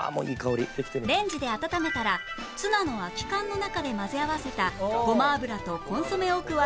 レンジで温めたらツナの空き缶の中で混ぜ合わせたごま油とコンソメを加えます